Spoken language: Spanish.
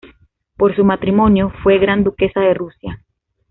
Por su matrimonio, fue gran duquesa de Rusia.